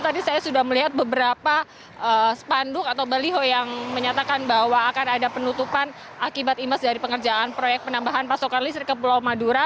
tadi saya sudah melihat beberapa spanduk atau baliho yang menyatakan bahwa akan ada penutupan akibat imes dari pengerjaan proyek penambahan pasokan listrik ke pulau madura